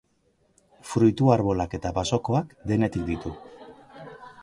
Fruitu arbolak eta basokoak, denetik ditu.